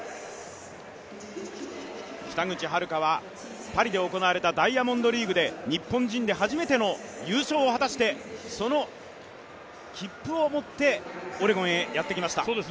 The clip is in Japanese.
北口榛花はパリで行われたダイヤモンドリーグで日本人で初めての優勝を果たしてその切符を持ってオレゴンへやってきました。